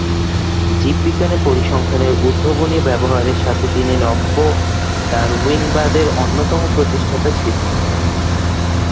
জীববিজ্ঞানের পরিসংখ্যান এর উদ্ভাবনী ব্যবহারের সাথে তিনি নব্য-ডারউইনবাদ এর অন্যতম প্রতিষ্ঠাতা ছিলেন।